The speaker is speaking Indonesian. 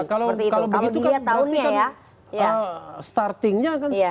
kalau begitu kan berarti kan starting nya akan start